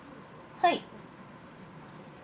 はい。